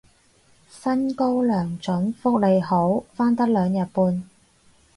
薪高糧準福利好返得兩日半